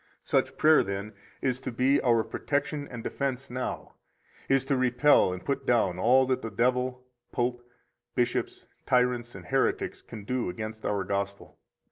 69 Such prayer, then, is to be our protection and defense now, is to repel and put down all that the devil, Pope, bishops, tyrants, and heretics can do against our Gospel.